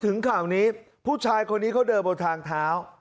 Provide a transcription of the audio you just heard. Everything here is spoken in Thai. ข่าวนี้ผู้ชายคนนี้เขาเดินบนทางเท้า